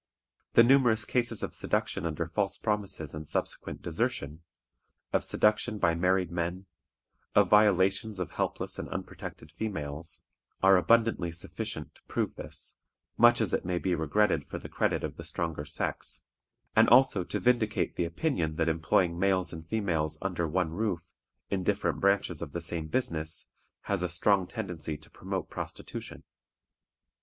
The numerous cases of seduction under false promises and subsequent desertion; of seduction by married men; of violations of helpless and unprotected females, are abundantly sufficient to prove this, much as it may be regretted for the credit of the stronger sex, and also to vindicate the opinion that employing males and females under one roof, in different branches of the same business, has a strong tendency to promote prostitution.